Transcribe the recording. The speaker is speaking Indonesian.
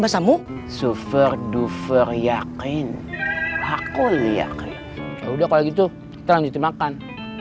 yaudah kalau gitu kita lanjutin makan